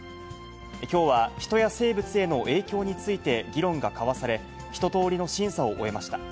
きょうは人や生物への影響について議論が交わされ、一とおりの審査を終えました。